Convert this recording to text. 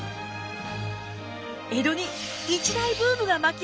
江戸に一大ブームが巻き起こりました。